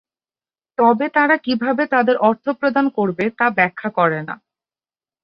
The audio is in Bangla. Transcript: তবে তারা কীভাবে তাদের অর্থ প্রদান করবে তা ব্যাখ্যা করে না।